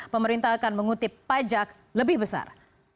pemerintah akan mengutip pajak lebih besar